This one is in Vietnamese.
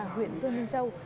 huyện dương minh châu